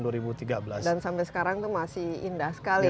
dan sampai sekarang itu masih indah sekali